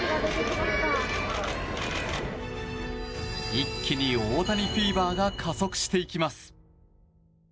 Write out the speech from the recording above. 一気に大谷フィーバーが加速していきます。